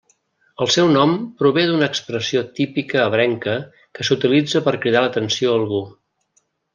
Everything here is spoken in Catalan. El seu nom prové d'una expressió típica ebrenca que s'utilitza per cridar l'atenció d'algú.